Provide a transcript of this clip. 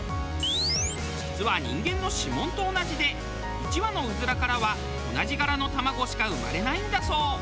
実は人間の指紋と同じで１羽のうずらからは同じ柄の卵しか生まれないんだそう。